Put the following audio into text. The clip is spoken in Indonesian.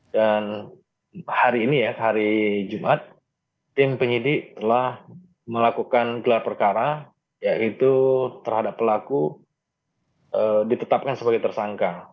dan hari ini ya hari jumat tim penyidik telah melakukan gelar perkara yaitu terhadap pelaku ditetapkan sebagai tersangka